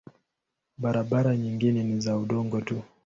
Barabara nyingine ni za udongo tu.